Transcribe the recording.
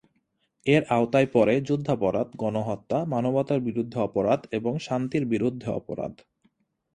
এর আওতায় পড়ে যুদ্ধাপরাধ, গণহত্যা, মানবতার বিরুদ্ধে অপরাধ এবং শান্তির বিরুদ্ধে অপরাধ।